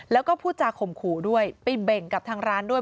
แล้วก็พูดจาข่มขู่ด้วยไปเบ่งกับทางร้านด้วย